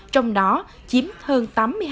trong đó chiếm hơn tám mươi hai